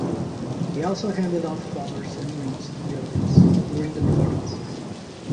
He also handed out flowers and rings to the audience during the performance.